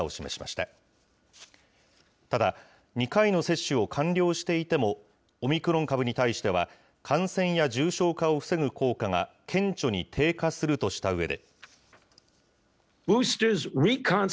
ただ、２回の接種を完了していてもオミクロン株に対しては感染や重症化を防ぐ効果が顕著に低下するとしたうえで。